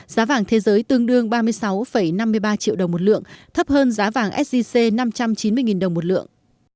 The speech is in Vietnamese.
giá vàng thế giới tương đương ba mươi sáu năm mươi ba triệu đồng một lượng thấp hơn giá vàng sgc năm trăm chín mươi đồng một lượng